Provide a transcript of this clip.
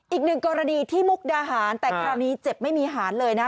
อีกหนึ่งกรณีที่มุกดาหารแต่คราวนี้เจ็บไม่มีหารเลยนะ